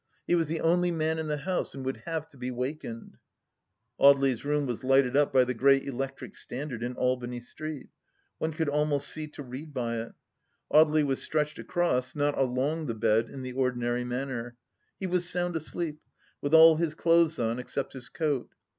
He was the only man in the house, and would have to be wakened I ... Audely's room was lighted up by the great electric stand ard in Albany Street. One could almost see to read by it. Audely was stretched across, not along the bed in the or dinary manner. He was soimd asleep, with all his clothes on except his coat.